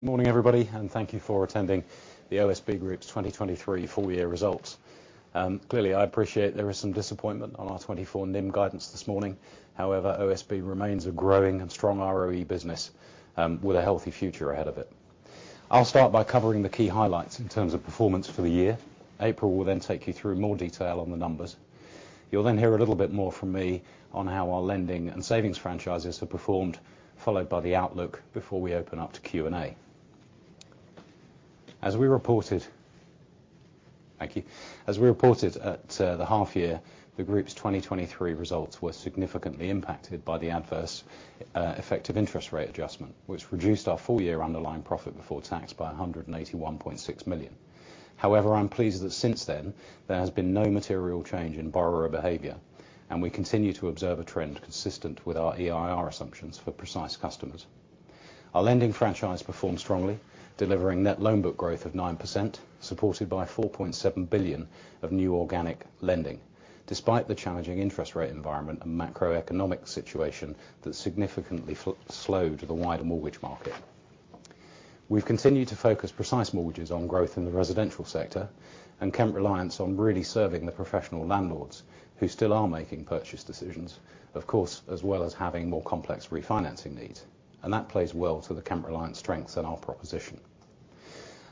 Morning, everybody, and thank you for attending the OSB Group's 2023 Full-Year Results. Clearly, I appreciate there is some disappointment on our 2024 NIM guidance this morning. However, OSB remains a growing and strong ROE business with a healthy future ahead of it. I'll start by covering the key highlights in terms of performance for the year. April will then take you through more detail on the numbers. You'll then hear a little bit more from me on how our lending and savings franchises have performed, followed by the outlook, before we open up to Q and A. As we reported at the half-year, the group's 2023 results were significantly impacted by the adverse effective interest rate adjustment, which reduced our full-year underlying profit before tax by 181.6 million. However, I'm pleased that since then there has been no material change in borrower behavior and we continue to observe a trend consistent with our EIR assumptions for Precise customers. Our lending franchise performed strongly, delivering net loan book growth of 9% supported by 4.7 billion of new organic lending despite the challenging interest rate environment and macroeconomic situation that significantly flow slowed the wider mortgage market. We've continued to focus Precise Mortgages on growth in the residential sector and Kent Reliance on really serving the professional landlords who still are making purchase decisions of course as well as having more complex refinancing needs. And that plays well to the Kent Reliance strengths and our proposition.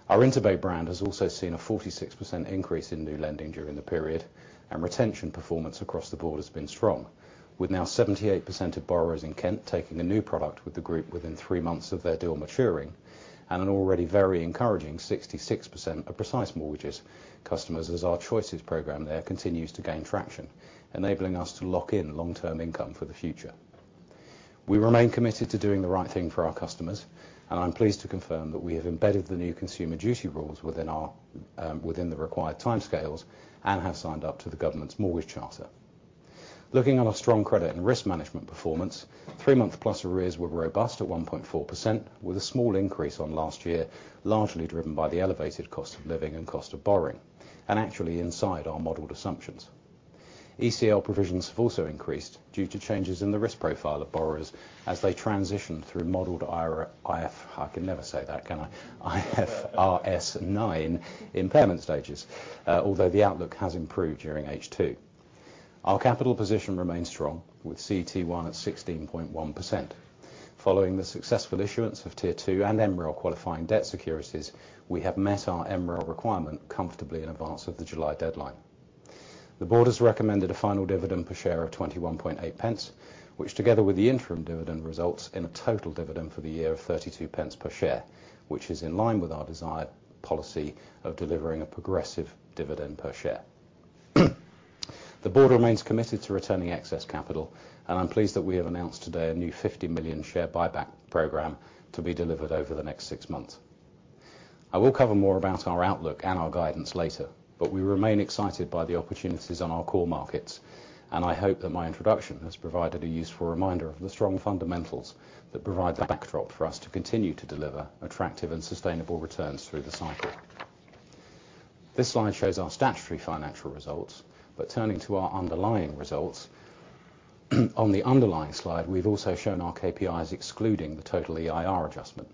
Our InterBay brand has also seen a 46% increase in new lending during the period and retention performance across the board has been strong with now 78% of borrowers in Kent taking a new product with the group within three months of their deal maturing and an already very encouraging 66% of Precise Mortgages customers as our Choices program there continues to gain traction enabling us to lock in long-term income for the future. We remain committed to doing the right thing for our customers and I'm pleased to confirm that we have embedded the new Consumer Duty rules within the required time scales and have signed up to the government's mortgage charter. Looking at our strong credit and risk management performance, three-month-plus arrears were robust at 1.4% with a small increase on last year largely driven by the elevated cost of living and cost of borrowing and actually inside our modeled assumptions. ECL provisions have also increased due to changes in the risk profile of borrowers as they transition through modeled IRB. If I can never say that, can I? IFRS 9 impairment stages although the outlook has improved during H2. Our capital position remains strong with CET1 at 16.1%. Following the successful issuance of Tier 2 and MREL-qualifying debt securities we have met our MREL requirement comfortably in advance of the July deadline. The board has recommended a final dividend per share of 0.218 which together with the interim dividend results in a total dividend for the year of 0.32 per share which is in line with our desired policy of delivering a progressive dividend per share. The board remains committed to returning excess capital and I'm pleased that we have announced today a new 50 million share buyback program to be delivered over the next six months. I will cover more about our outlook and our guidance later but we remain excited by the opportunities on our core markets and I hope that my introduction has provided a useful reminder of the strong fundamentals that provide the backdrop for us to continue to deliver attractive and sustainable returns through the cycle. This slide shows our statutory financial results but turning to our underlying results on the underlying slide we've also shown our KPIs excluding the total EIR adjustment.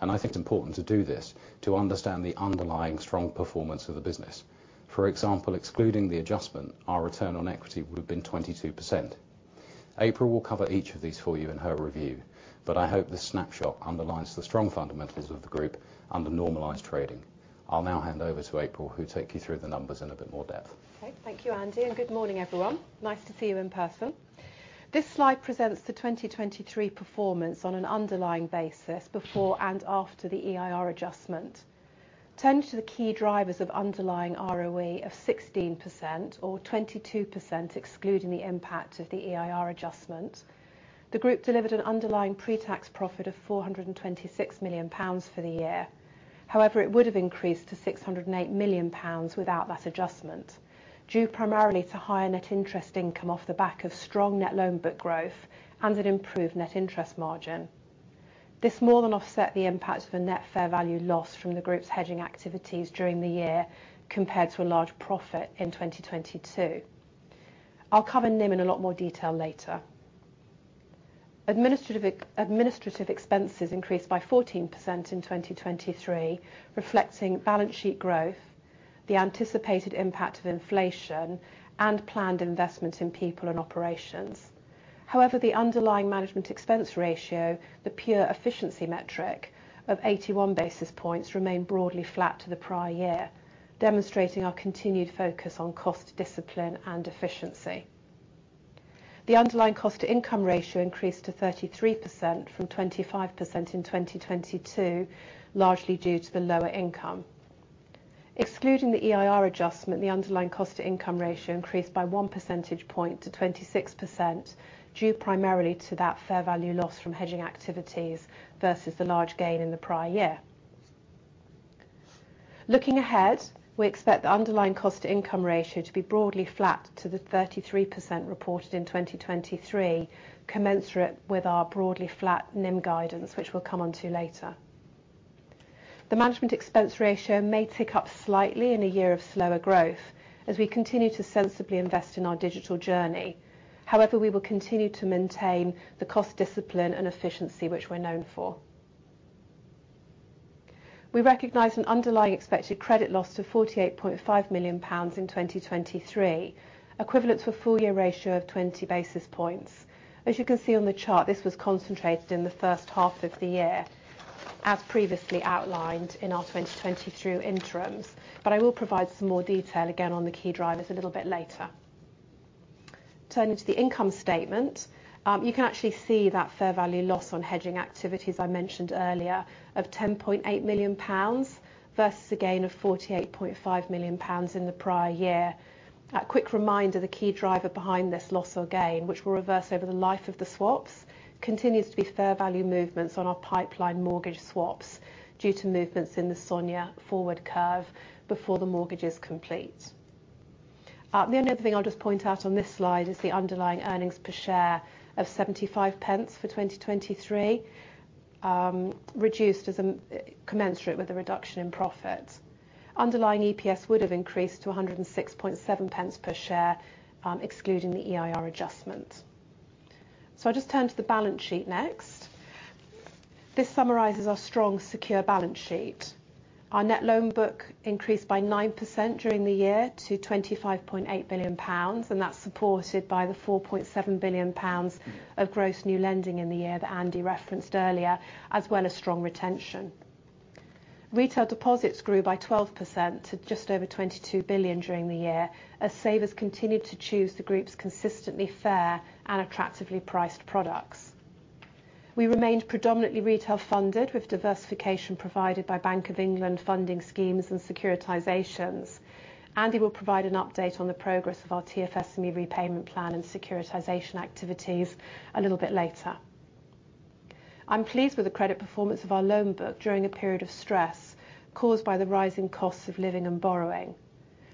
I think it's important to do this to understand the underlying strong performance of the business. For example excluding the adjustment our return on equity would have been 22%. April will cover each of these for you in her review but I hope this snapshot underlines the strong fundamentals of the group under normalized trading. I'll now hand over to April who'll take you through the numbers in a bit more depth. Okay, thank you Andy and good morning everyone. Nice to see you in person. This slide presents the 2023 performance on an underlying basis before and after the EIR adjustment. Turning to the key drivers of underlying ROE of 16% or 22% excluding the impact of the EIR adjustment, the group delivered an underlying pre-tax profit of 426 million pounds for the year. However, it would have increased to 608 million pounds without that adjustment due primarily to higher net interest income off the back of strong net loan book growth and an improved net interest margin. This more than offset the impact of a net fair value loss from the group's hedging activities during the year compared to a large profit in 2022. I'll cover NIM in a lot more detail later. Administrative expenses increased by 14% in 2023 reflecting balance sheet growth the anticipated impact of inflation and planned investments in people and operations. However the underlying management expense ratio the pure efficiency metric of 81 basis points remained broadly flat to the prior year demonstrating our continued focus on cost discipline and efficiency. The underlying cost to income ratio increased to 33% from 25% in 2022 largely due to the lower income. Excluding the EIR adjustment the underlying cost to income ratio increased by one percentage point to 26% due primarily to that fair value loss from hedging activities versus the large gain in the prior year. Looking ahead we expect the underlying cost to income ratio to be broadly flat to the 33% reported in 2023 commensurate with our broadly flat NIM guidance which we'll come onto later. The management expense ratio may tick up slightly in a year of slower growth as we continue to sensibly invest in our digital journey. However, we will continue to maintain the cost discipline and efficiency which we're known for. We recognize an underlying expected credit loss to 48.5 million pounds in 2023 equivalent to a full-year ratio of 20 basis points. As you can see on the chart, this was concentrated in the first half of the year as previously outlined in our 2023 interims, but I will provide some more detail again on the key drivers a little bit later. Turning to the income statement, you can actually see that fair value loss on hedging activities I mentioned earlier of 10.8 million pounds versus a gain of 48.5 million pounds in the prior year. A quick reminder, the key driver behind this loss or gain which will reverse over the life of the swaps continues to be fair value movements on our pipeline mortgage swaps due to movements in the SONIA forward curve before the mortgage is complete. The only other thing I'll just point out on this slide is the underlying earnings per share of 0.75 for 2023 reduced commensurate with a reduction in profit. Underlying EPS would have increased to 1.067 per share excluding the EIR adjustment. So I'll just turn to the balance sheet next. This summarizes our strong, secure balance sheet. Our net loan book increased by 9% during the year to 25.8 billion pounds and that's supported by the 4.7 billion pounds of gross new lending in the year that Andy referenced earlier as well as strong retention. Retail deposits grew by 12% to just over 22 billion during the year as savers continued to choose the group's consistently fair and attractively priced products. We remained predominantly retail funded with diversification provided by Bank of England funding schemes and securitizations. Andy will provide an update on the progress of our TFSME repayment plan and securitization activities a little bit later. I'm pleased with the credit performance of our loan book during a period of stress caused by the rising costs of living and borrowing.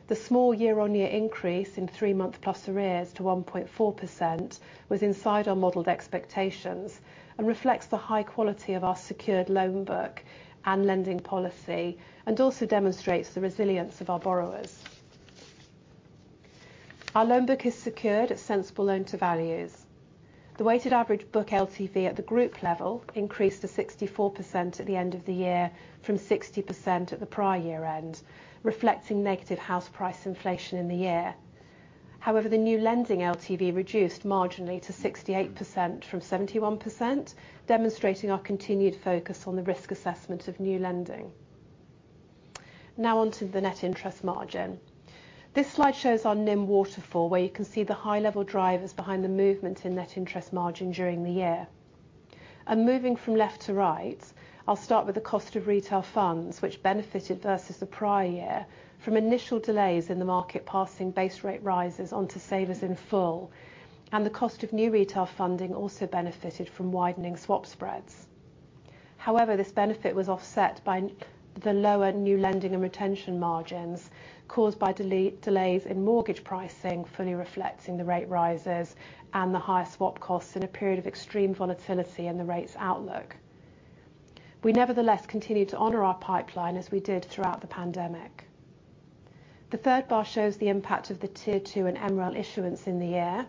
The small year-on-year increase in three-month plus arrears to 1.4% was inside our modeled expectations and reflects the high quality of our secured loan book and lending policy and also demonstrates the resilience of our borrowers. Our loan book is secured at sensible loan to values. The weighted average book LTV at the group level increased to 64% at the end of the year from 60% at the prior year end reflecting negative house price inflation in the year. However, the new lending LTV reduced marginally to 68% from 71% demonstrating our continued focus on the risk assessment of new lending. Now onto the net interest margin. This slide shows our NIM waterfall where you can see the high-level drivers behind the movement in net interest margin during the year. And moving from left to right I'll start with the cost of retail funds which benefited versus the prior year from initial delays in the market passing base rate rises onto savers in full and the cost of new retail funding also benefited from widening swap spreads. However this benefit was offset by the lower new lending and retention margins caused by delays in mortgage pricing fully reflecting the rate rises and the higher swap costs in a period of extreme volatility in the rates outlook. We nevertheless continued to honor our pipeline as we did throughout the pandemic. The third bar shows the impact of the Tier 2 and MREL issuance in the year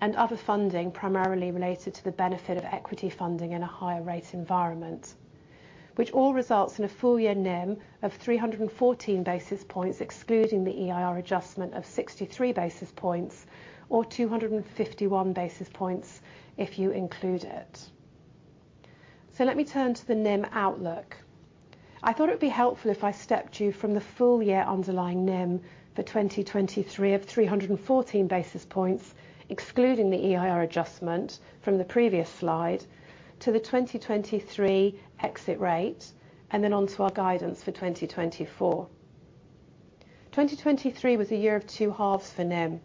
and other funding primarily related to the benefit of equity funding in a higher rate environment, which all results in a full-year NIM of 314 basis points excluding the EIR adjustment of 63 basis points or 251 basis points if you include it. So let me turn to the NIM outlook. I thought it would be helpful if I stepped you from the full-year underlying NIM for 2023 of 314 basis points excluding the EIR adjustment from the previous slide to the 2023 exit rate and then onto our guidance for 2024. 2023 was a year of two halves for NIM.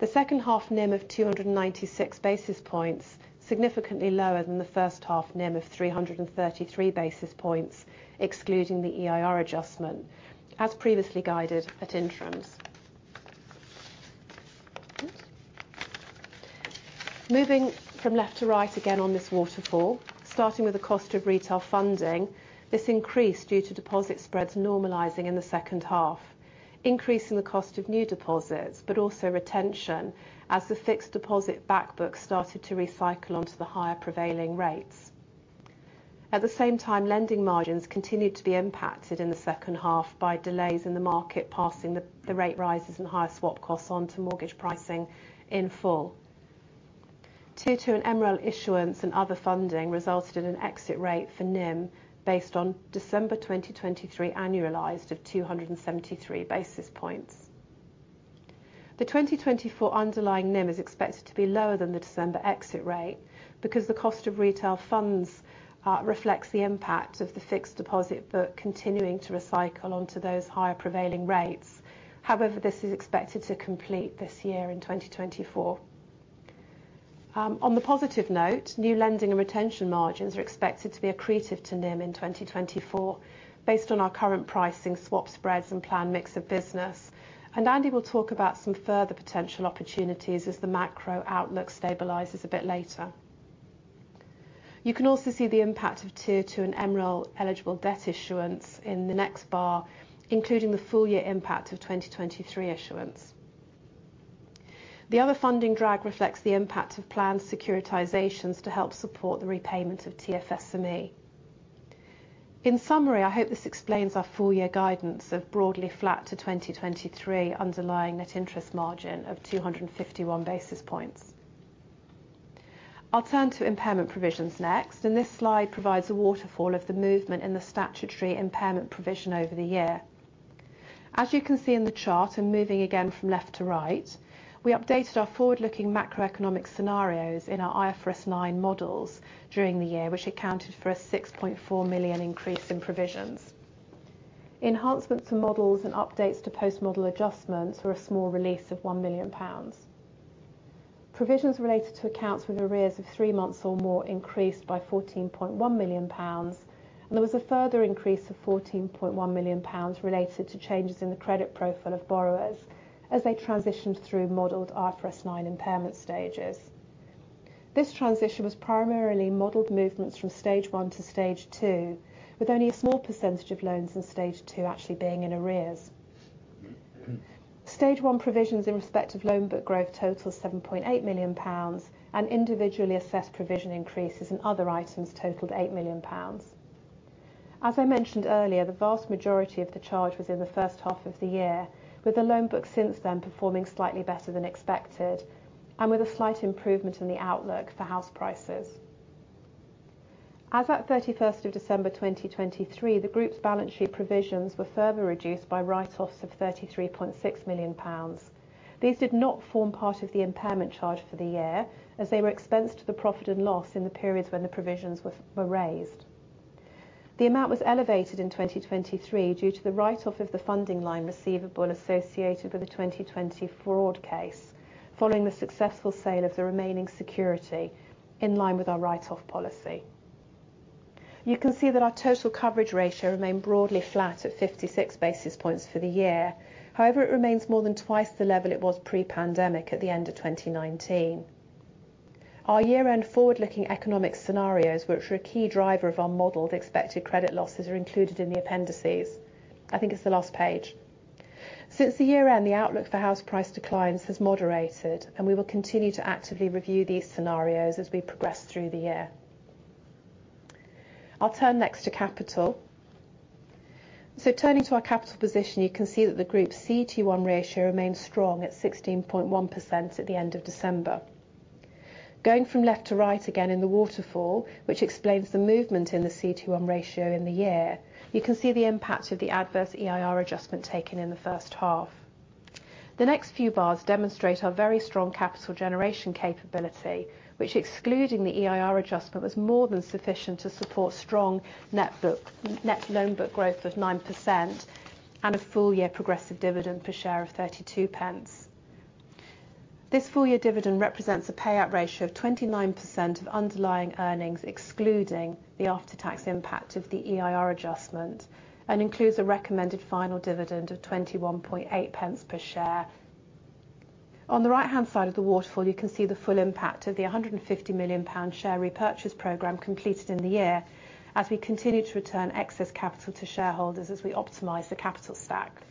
The second half NIM of 296 basis points significantly lower than the first half NIM of 333 basis points excluding the EIR adjustment as previously guided at interims. Moving from left to right again on this waterfall starting with the cost of retail funding this increased due to deposit spreads normalizing in the second half increasing the cost of new deposits but also retention as the fixed deposit backbook started to recycle onto the higher prevailing rates. At the same time lending margins continued to be impacted in the second half by delays in the market passing the rate rises and higher swap costs onto mortgage pricing in full. Tier 2 and MREL issuance and other funding resulted in an exit rate for NIM based on December 2023 annualized of 273 basis points. The 2024 underlying NIM is expected to be lower than the December exit rate because the cost of retail funds reflects the impact of the fixed deposit book continuing to recycle onto those higher prevailing rates. However, this is expected to complete this year in 2024. On the positive note, new lending and retention margins are expected to be accretive to NIM in 2024 based on our current pricing swap spreads and plan mix of business, and Andy will talk about some further potential opportunities as the macro outlook stabilizes a bit later. You can also see the impact of Tier 2 and MREL eligible debt issuance in the next bar, including the full-year impact of 2023 issuance. The other funding drag reflects the impact of planned securitizations to help support the repayment of TFSME. In summary, I hope this explains our full-year guidance of broadly flat to 2023 underlying net interest margin of 251 basis points. I'll turn to impairment provisions next, and this slide provides a waterfall of the movement in the statutory impairment provision over the year. As you can see in the chart, and moving again from left to right, we updated our forward-looking macroeconomic scenarios in our IFRS 9 models during the year, which accounted for a 6.4 million increase in provisions. Enhancements to models and updates to post-model adjustments were a small release of 1 million pounds. Provisions related to accounts with arrears of three months or more increased by 14.1 million pounds and there was a further increase of 14.1 million pounds related to changes in the credit profile of borrowers as they transitioned through modeled IFRS 9 impairment stages. This transition was primarily modeled movements from stage one to stage two with only a small percentage of loans in stage two actually being in arrears. Stage one provisions in respect of loan book growth totaled 7.8 million pounds and individually assessed provision increases in other items totaled 8 million pounds. As I mentioned earlier the vast majority of the charge was in the first half of the year with the loan book since then performing slightly better than expected and with a slight improvement in the outlook for house prices. As of 31st of December 2023, the group's balance sheet provisions were further reduced by write-offs of 33.6 million pounds. These did not form part of the impairment charge for the year as they were expensed to the profit and loss in the periods when the provisions were raised. The amount was elevated in 2023 due to the write-off of the funding line receivable associated with a 2024 fraud case following the successful sale of the remaining security in line with our write-off policy. You can see that our total coverage ratio remained broadly flat at 56 basis points for the year. However, it remains more than twice the level it was pre-pandemic at the end of 2019. Our year-end forward-looking economic scenarios, which are a key driver of our modeled expected credit losses, are included in the appendices. I think it's the last page. Since the year-end the outlook for house price declines has moderated and we will continue to actively review these scenarios as we progress through the year. I'll turn next to capital. So turning to our capital position you can see that the group's CET1 ratio remained strong at 16.1% at the end of December. Going from left to right again in the waterfall which explains the movement in the CET1 ratio in the year you can see the impact of the adverse EIR adjustment taken in the first half. The next few bars demonstrate our very strong capital generation capability which excluding the EIR adjustment was more than sufficient to support strong net book net loan book growth of 9% and a full-year progressive dividend per share of 0.32. This full-year dividend represents a payout ratio of 29% of underlying earnings excluding the after-tax impact of the EIR adjustment and includes a recommended final dividend of 0.218 per share. On the right-hand side of the waterfall you can see the full impact of a £150 million share repurchase program completed in the year as we continue to return excess capital to shareholders as we optimize the capital stack.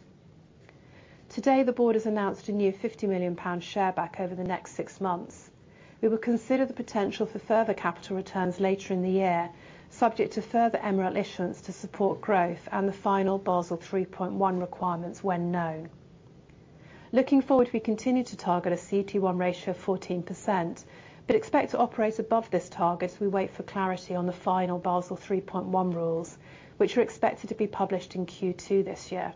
Today the board has announced a new £50 million share buyback over the next six months. We will consider the potential for further capital returns later in the year subject to further MREL issuance to support growth and the final Basel 3.1 requirements when known. Looking forward, we continue to target a CET1 ratio of 14% but expect to operate above this target as we wait for clarity on the final Basel 3.1 rules, which are expected to be published in Q2 this year.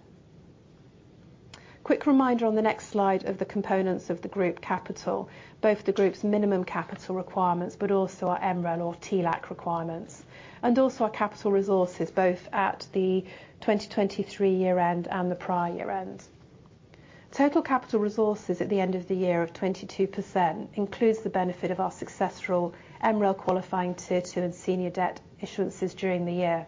Quick reminder on the next slide of the components of the group capital, both the group's minimum capital requirements but also our MREL or TLAC requirements, and also our capital resources both at the 2023 year-end and the prior year-end. Total capital resources at the end of the year of 22% includes the benefit of our successful MREL qualifying Tier 2 and senior debt issuance during the year.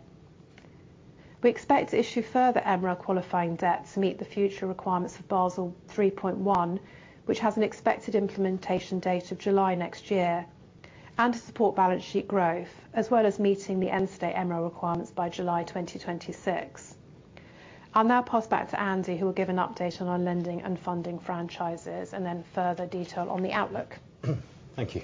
We expect to issue further MREL qualifying debt to meet the future requirements of Basel 3.1 which has an expected implementation date of July next year and to support balance sheet growth as well as meeting the end state MREL requirements by July 2026. I'll now pass back to Andy who will give an update on our lending and funding franchises and then further detail on the outlook. Thank you.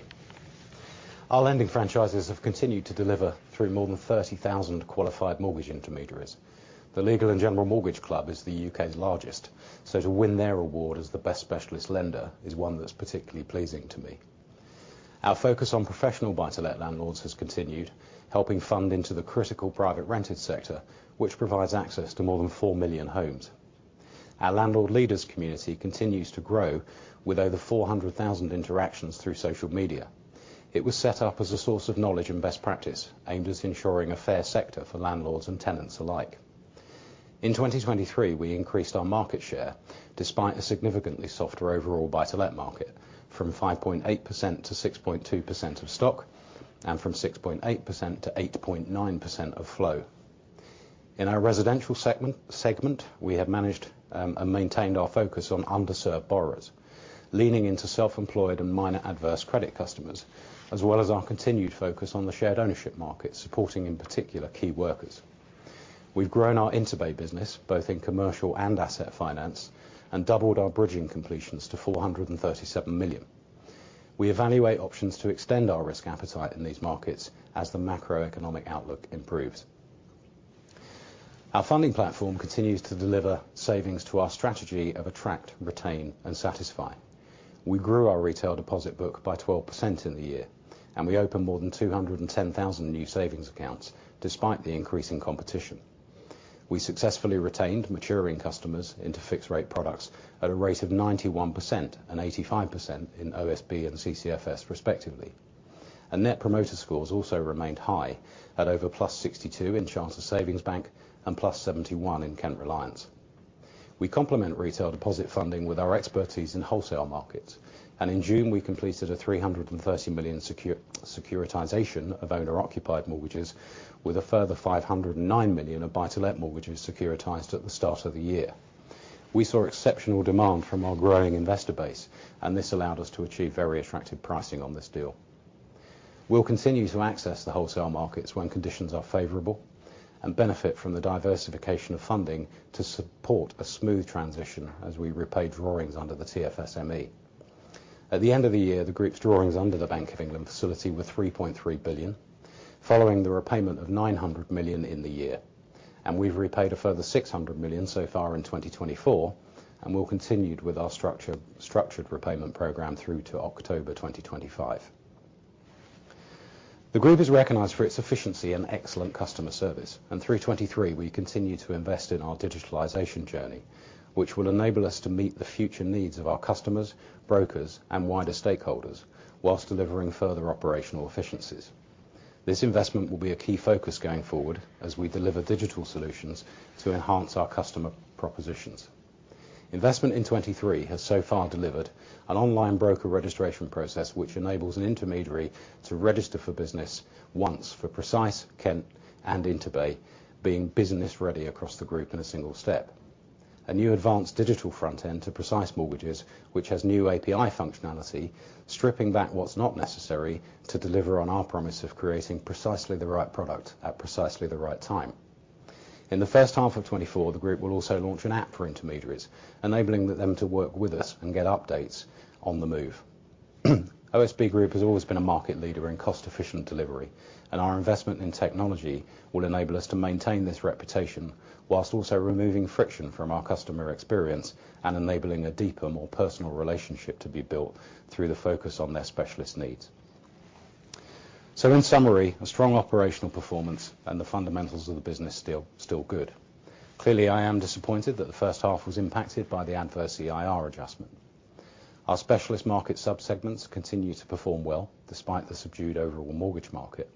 Our lending franchises have continued to deliver through more than 30,000 qualified mortgage intermediaries. The Legal & General Mortgage Club is the U.K.'s largest so to win their award as the best specialist lender is one that's particularly pleasing to me. Our focus on professional buy-to-let landlords has continued helping fund into the critical private rented sector which provides access to more than 4 million homes. Our Landlord Leaders community continues to grow with over 400,000 interactions through social media. It was set up as a source of knowledge and best practice aimed at ensuring a fair sector for landlords and tenants alike. In 2023 we increased our market share despite a significantly softer overall buy-to-let market from 5.8% to 6.2% of stock and from 6.8% to 8.9% of flow. In our residential segment we have managed and maintained our focus on underserved borrowers leaning into self-employed and minor adverse credit customers as well as our continued focus on the shared ownership market supporting in particular key workers. We've grown our InterBay business both in commercial and asset finance and doubled our bridging completions to 437 million. We evaluate options to extend our risk appetite in these markets as the macroeconomic outlook improves. Our funding platform continues to deliver savings to our strategy of attract retain and satisfy. We grew our retail deposit book by 12% in the year and we opened more than 210,000 new savings accounts despite the increasing competition. We successfully retained maturing customers into fixed rate products at a rate of 91% and 85% in OSB and CCFS respectively. Our Net Promoter Scores also remained high at over +62 in Charter Savings Bank and +71 in Kent Reliance. We complement retail deposit funding with our expertise in wholesale markets and in June we completed a 330 million secured securitization of owner-occupied mortgages with a further 509 million of buy-to-let mortgages securitized at the start of the year. We saw exceptional demand from our growing investor base and this allowed us to achieve very attractive pricing on this deal. We'll continue to access the wholesale markets when conditions are favorable and benefit from the diversification of funding to support a smooth transition as we repay drawings under the TFSME. At the end of the year the group's drawings under the Bank of England facility were 3.3 billion following the repayment of 900 million in the year and we've repaid a further 600 million so far in 2024 and we'll continue with our structured repayment program through to October 2025. The group is recognized for its efficiency and excellent customer service. In 2023 we continue to invest in our digitalization journey which will enable us to meet the future needs of our customers, brokers and wider stakeholders while delivering further operational efficiencies. This investment will be a key focus going forward as we deliver digital solutions to enhance our customer propositions. Investment in 2023 has so far delivered an online broker registration process which enables an intermediary to register for business once for Precise, Kent Reliance and InterBay being business ready across the group in a single step. A new advanced digital front end to Precise Mortgages which has new API functionality stripping back what's not necessary to deliver on our promise of creating precisely the right product at precisely the right time. In the first half of 2024, the group will also launch an app for intermediaries enabling them to work with us and get updates on the move. OSB Group has always been a market leader in cost-efficient delivery and our investment in technology will enable us to maintain this reputation while also removing friction from our customer experience and enabling a deeper, more personal relationship to be built through the focus on their specialist needs. So in summary a strong operational performance and the fundamentals of the business still good. Clearly I am disappointed that the first half was impacted by the adverse EIR adjustment. Our specialist market subsegments continue to perform well despite the subdued overall mortgage market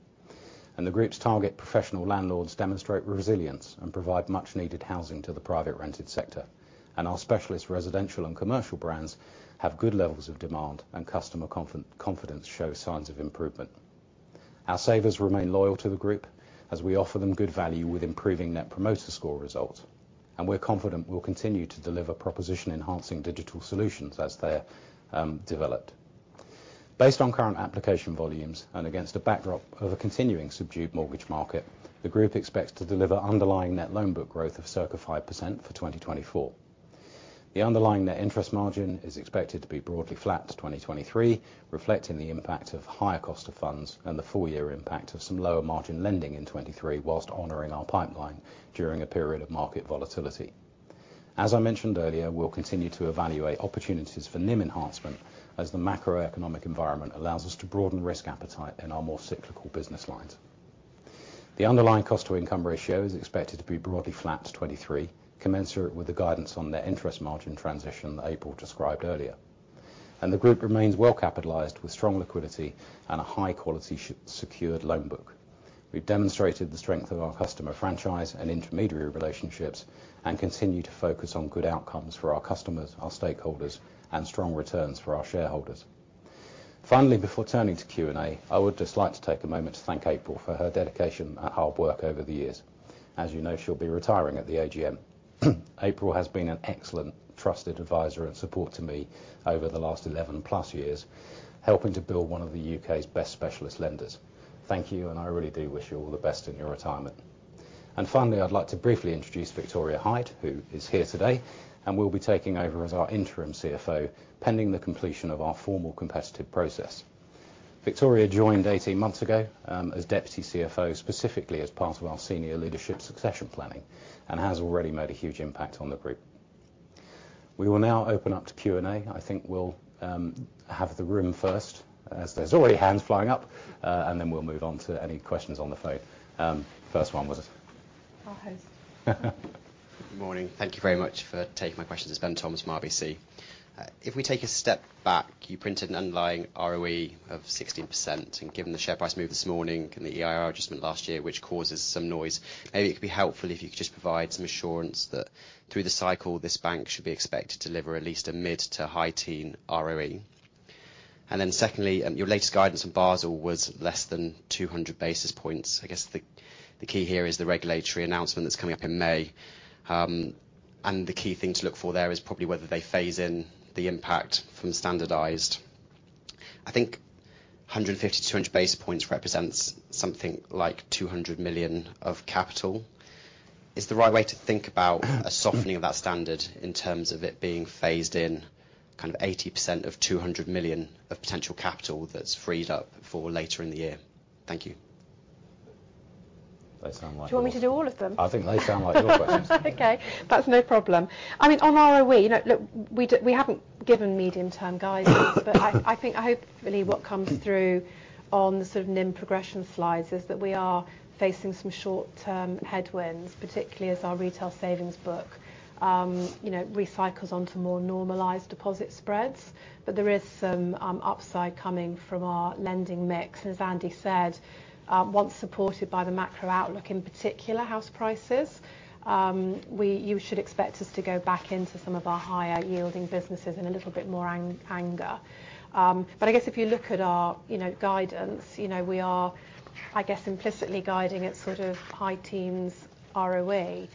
and the group's target professional landlords demonstrate resilience and provide much-needed housing to the private rented sector and our specialist residential and commercial brands have good levels of demand and customer confidence shows signs of improvement. Our savers remain loyal to the group as we offer them good value with improving Net Promoter Score results and we're confident we'll continue to deliver proposition-enhancing digital solutions as they're developed. Based on current application volumes and against a backdrop of a continuing subdued mortgage market the group expects to deliver underlying net loan book growth of circa 5% for 2024. The underlying net interest margin is expected to be broadly flat to 2023 reflecting the impact of higher cost of funds and the full-year impact of some lower margin lending in 2023 while honoring our pipeline during a period of market volatility. As I mentioned earlier, we'll continue to evaluate opportunities for NIM enhancement as the macroeconomic environment allows us to broaden risk appetite in our more cyclical business lines. The underlying cost to income ratio is expected to be broadly flat to 2023 commensurate with the guidance on their interest margin transition that April described earlier and the group remains well capitalized with strong liquidity and a high quality secured loan book. We've demonstrated the strength of our customer franchise and intermediary relationships and continue to focus on good outcomes for our customers our stakeholders and strong returns for our shareholders. Finally, before turning to Q and A, I would just like to take a moment to thank April for her dedication and hard work over the years. As you know, she'll be retiring at the AGM. April has been an excellent trusted advisor and support to me over the last 11+ years helping to build one of the U.K.'s best specialist lenders. Thank you, and I really do wish you all the best in your retirement. Finally, I'd like to briefly introduce Victoria Hyde who is here today and will be taking over as our interim CFO pending the completion of our formal competitive process. Victoria joined 18 months ago as deputy CFO specifically as part of our senior leadership succession planning and has already made a huge impact on the group. We will now open up to Q and A. I think we'll have the room first as there's already hands flying up and then we'll move on to any questions on the phone. First one was. Our host. Good morning. Thank you very much for taking my questions. It's Ben Toms, RBC. If we take a step back, you printed an underlying ROE of 16% and given the share price move this morning and the EIR adjustment last year which causes some noise, maybe it could be helpful if you could just provide some assurance that through the cycle this bank should be expected to deliver at least a mid to high-teens ROE. Then secondly, your latest guidance on Basel was less than 200 basis points. I guess the key here is the regulatory announcement that's coming up in May and the key thing to look for there is probably whether they phase in the impact from standardized. I think 150-200 basis points represents something like 200 million of capital. Is the right way to think about a softening of that standard in terms of it being phased in kind of 80% of 200 million of potential capital that's freed up for later in the year? Thank you. They sound like them. Do you want me to do all of them? I think they sound like your questions. Okay, that's no problem. I mean on ROE you know look we do we haven't given medium term guidance but I I think I hopefully what comes through on the sort of NIM progression slides is that we are facing some short term headwinds particularly as our retail savings book you know recycles onto more normalized deposit spreads but there is some upside coming from our lending mix and as Andy said once supported by the macro outlook in particular house prices we you should expect us to go back into some of our higher yielding businesses in a little bit more ang anger. But I guess if you look at our you know guidance you know we are I guess implicitly guiding at sort of high teens ROE.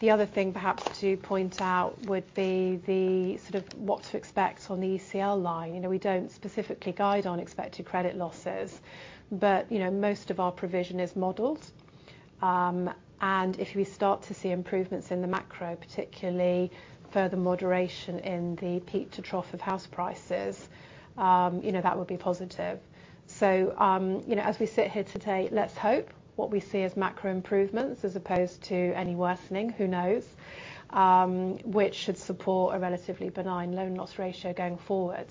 The other thing perhaps to point out would be the sort of what to expect on the ECL line. You know we don't specifically guide on expected credit losses but you know most of our provision is modeled and if we start to see improvements in the macro particularly further moderation in the peak to trough of house prices you know that would be positive. So you know as we sit here today let's hope what we see as macro improvements as opposed to any worsening who knows which should support a relatively benign loan loss ratio going forward.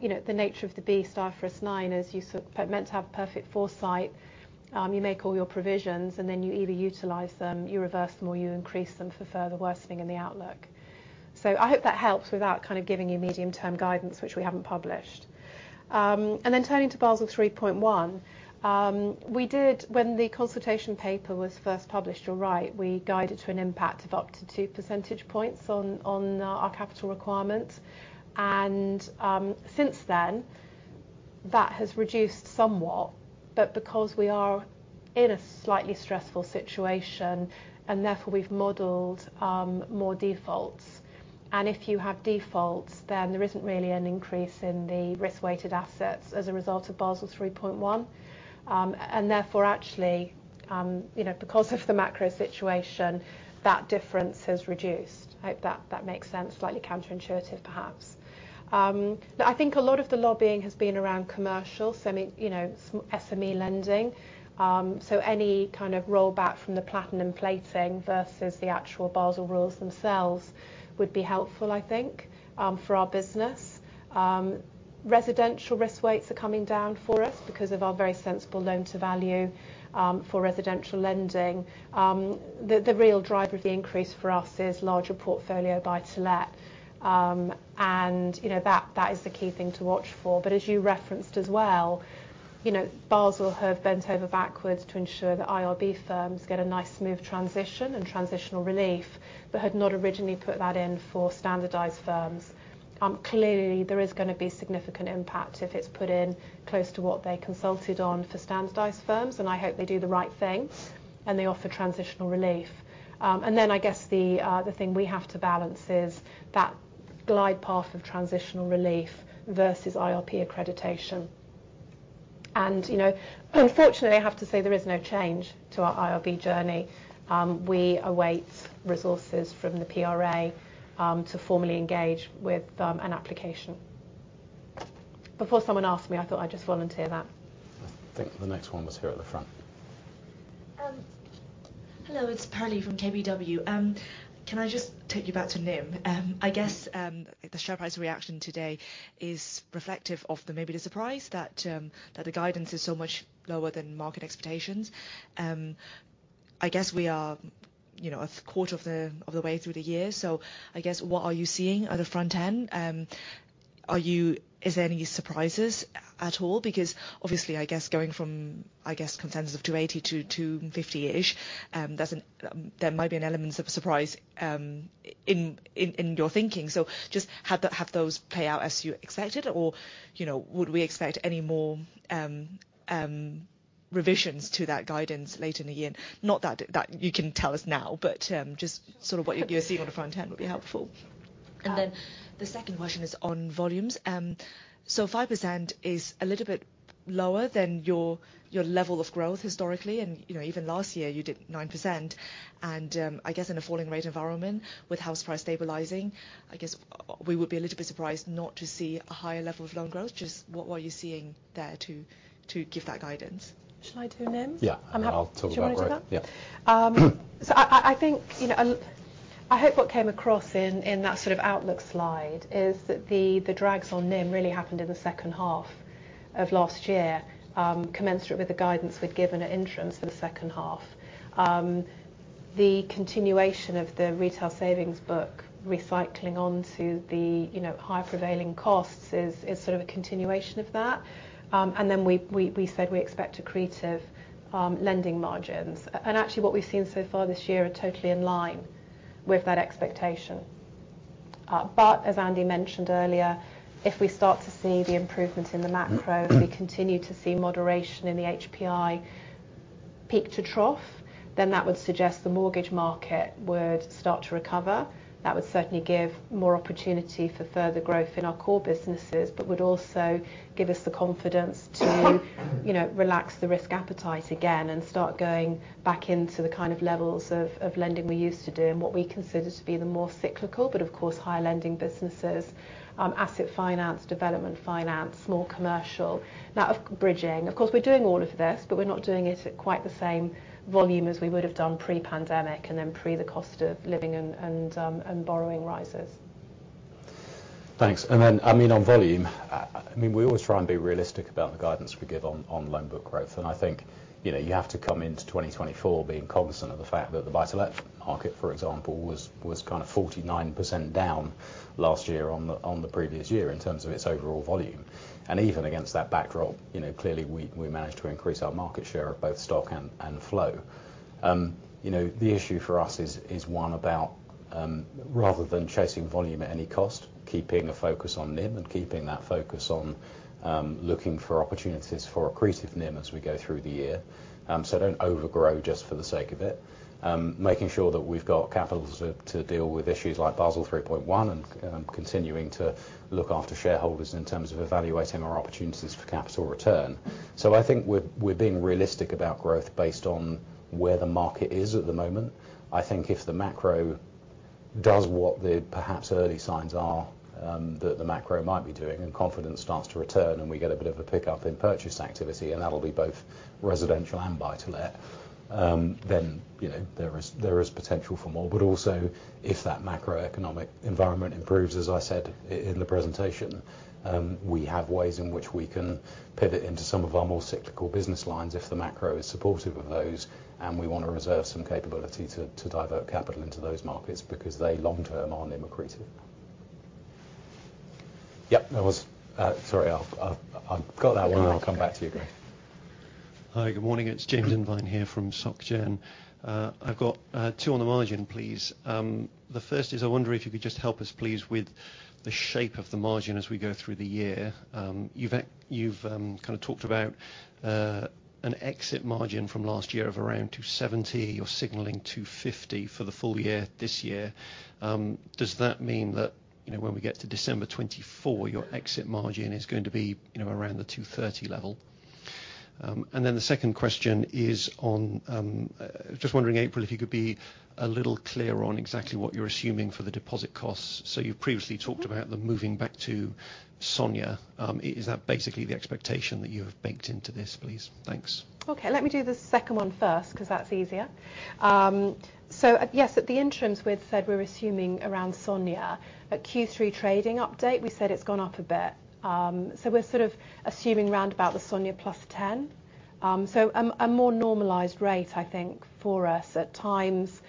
You know the nature of the beast IFRS 9 is you're meant to have perfect foresight you make all your provisions and then you either utilize them you reverse them or you increase them for further worsening in the outlook. So I hope that helps without kind of giving you medium term guidance which we haven't published. And then turning to Basel 3.1, we did when the consultation paper was first published. You're right, we guided to an impact of up to two percentage points on our capital requirement, and since then that has reduced somewhat. But because we are in a slightly stressful situation and therefore we've modeled more defaults, and if you have defaults then there isn't really an increase in the risk-weighted assets as a result of Basel 3.1, and therefore actually you know because of the macro situation that difference has reduced. I hope that that makes sense, slightly counterintuitive perhaps. Look, I think a lot of the lobbying has been around commercial semi, you know, SME lending, so any kind of rollback from the platinum plating versus the actual Basel rules themselves would be helpful I think for our business. Residential risk weights are coming down for us because of our very sensible loan to value for residential lending. The real driver of the increase for us is larger portfolio buy-to-let and you know that that is the key thing to watch for but as you referenced as well you know Basel have bent over backwards to ensure that IRB firms get a nice smooth transition and transitional relief but had not originally put that in for standardized firms. Clearly there is going to be significant impact if it's put in close to what they consulted on for standardized firms and I hope they do the right thing and they offer transitional relief. And then I guess the thing we have to balance is that glide path of transitional relief versus IRB accreditation. You know, unfortunately, I have to say there is no change to our IRB journey. We await resources from the PRA to formally engage with an application. Before someone asked me, I thought I'd just volunteer that. I think the next one was here at the front. Hello, it's Perlie from KBW. Can I just take you back to NIM? I guess the share price reaction today is reflective of the maybe the surprise that the guidance is so much lower than market expectations. I guess we are you know a quarter of the way through the year so I guess what are you seeing at the front end? Are you is there any surprises at all because obviously I guess going from I guess consensus of 280-250-ish that's an there might be an element of a surprise in your thinking so just have those play out as you expected or you know would we expect any more revisions to that guidance late in the year? Not that you can tell us now, but just sort of what you're seeing on the front end would be helpful. And then the second question is on volumes. So 5% is a little bit lower than your level of growth historically and you know even last year you did 9% and I guess in a falling rate environment with house price stabilizing I guess we would be a little bit surprised not to see a higher level of loan growth just what are you seeing there to give that guidance? Shall I do NIM? Yeah, I'll talk about that. Do you want to talk about it? Yeah. So I think you know I hope what came across in that sort of outlook slide is that the drags on NIM really happened in the second half of last year commensurate with the guidance we'd given at interims for the second half. The continuation of the retail savings book recycling onto the, you know, higher prevailing costs is sort of a continuation of that and then we said we expect accretive lending margins and actually what we've seen so far this year are totally in line with that expectation. But as Andy mentioned earlier if we start to see the improvement in the macro if we continue to see moderation in the HPI peak to trough then that would suggest the mortgage market would start to recover. That would certainly give more opportunity for further growth in our core businesses but would also give us the confidence to you know relax the risk appetite again and start going back into the kind of levels of lending we used to do and what we consider to be the more cyclical but of course higher lending businesses asset finance development finance more commercial. Now of bridging of course we're doing all of this but we're not doing it at quite the same volume as we would have done pre-pandemic and then pre the cost of living and borrowing rises. Thanks, and then I mean on volume, I mean we always try and be realistic about the guidance we give on loan book growth. I think you know you have to come into 2024 being cognizant of the fact that the buy-to-let market, for example, was kind of 49% down last year on the previous year in terms of its overall volume. And even against that backdrop you know clearly we managed to increase our market share of both stock and flow. You know the issue for us is one about rather than chasing volume at any cost, keeping a focus on NIM and keeping that focus on looking for opportunities for accretive NIM as we go through the year. So don't overgrow just for the sake of it. Making sure that we've got capital to deal with issues like Basel 3.1 and continuing to look after shareholders in terms of evaluating our opportunities for capital return. So I think we're being realistic about growth based on where the market is at the moment. I think if the macro does what the perhaps early signs are that the macro might be doing and confidence starts to return and we get a bit of a pickup in purchase activity and that'll be both residential and buy-to-let then you know there is potential for more. But also if that macroeconomic environment improves as I said in the presentation we have ways in which we can pivot into some of our more cyclical business lines. If the macro is supportive of those and we want to reserve some capability to divert capital into those markets because they long term are NIM accretive. Yep that was sorry I'll I've got that one and I'll come back to you Greg. Hi, good morning. It's James Invine here from Société Générale. I've got two on the margin, please. The first is I wonder if you could just help us, please, with the shape of the margin as we go through the year. You've kind of talked about an exit margin from last year of around 270. You're signaling 250 for the full year this year. Does that mean that, you know, when we get to December 2024, your exit margin is going to be, you know, around the 230 level? And then the second question is on just wondering, April, if you could be a little clearer on exactly what you're assuming for the deposit costs. So you've previously talked about them moving back to SONIA. Is that basically the expectation that you have baked into this, please? Thanks. Okay, let me do the second one first 'cause that's easier. So yes, at the interims we'd said we're assuming around SONIA. At Q3 trading update we said it's gone up a bit so we're sort of assuming round about the SONIA 10. So a more normalized rate I think for us at times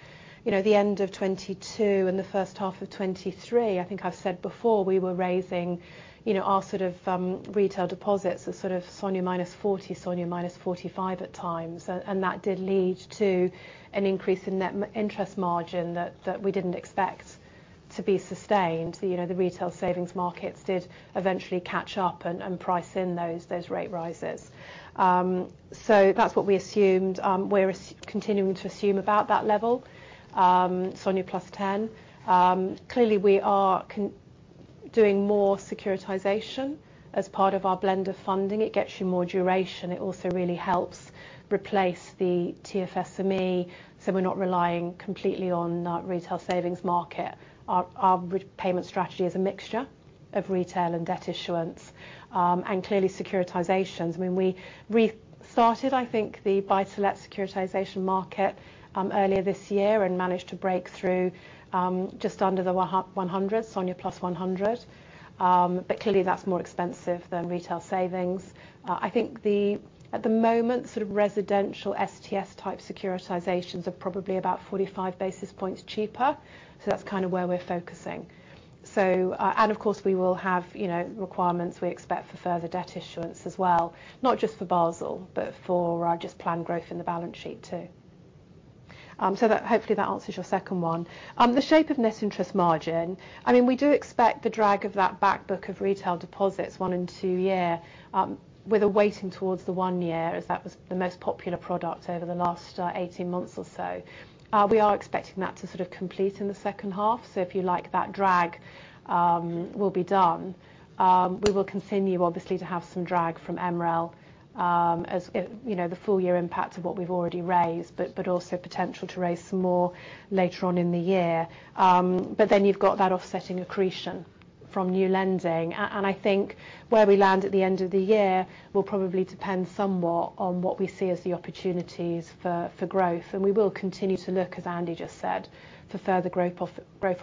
you know the end of 2022 and the first half of 2023 I think I've said before we were raising you know our sort of retail deposits at sort of SONIA minus 40, SONIA minus 45 at times and that did lead to an increase in net interest margin that we didn't expect to be sustained. You know the retail savings markets did eventually catch up and price in those rate rises. So that's what we assumed. We're continuing to assume about that level SONIA plus 10. Clearly, we are conducting more securitization as part of our blend of funding. It gets you more duration. It also really helps replace the TFSME so we're not relying completely on retail savings market. Our repayment strategy is a mixture of retail and debt issuance and clearly securitizations. I mean we restarted I think the buy-to-let securitization market earlier this year and managed to break through just under the Sonia + 100. But clearly that's more expensive than retail savings. I think at the moment sort of residential STS type securitizations are probably about 45 basis points cheaper so that's kind of where we're focusing. So and of course we will have you know requirements we expect for further debt issuance as well not just for Basel but for our just planned growth in the balance sheet too. So that hopefully that answers your second one. The shape of net interest margin, I mean we do expect the drag of that backbook of retail deposits one and two-year with a weighting towards the one-year as that was the most popular product over the last 18 months or so. We are expecting that to sort of complete in the second half so if you like that drag will be done. We will continue obviously to have some drag from MREL as, you know, the full year impact of what we've already raised but but also potential to raise some more later on in the year. But then you've got that offsetting accretion from new lending and I think where we land at the end of the year will probably depend somewhat on what we see as the opportunities for growth. We will continue to look, as Andy just said, for further growth